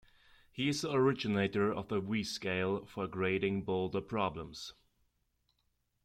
He is the originator of the V-scale for grading boulder problems.